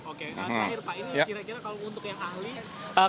oke terakhir pak ini kira kira kalau untuk yang ahli